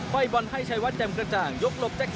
ไฟบอลให้ชายวัดแจ่มกระจ่างยกหลบแจ็กซัน